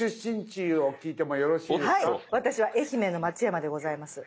私は愛媛の松山でございます。